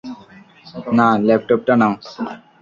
না, ল্যাপটপটা নাও।